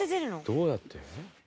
どうやって？